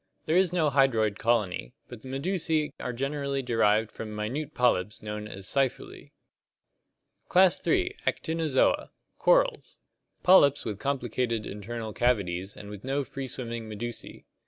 There is no hydroid colony, but the medusae are generally derived from minute polyps known as scyphulae. Class HI. Actinozoa (Gr. <!ktis, ray, and #>ov, animal). Corals. Polyps with complicated internal cavities and with no free swimming medusas.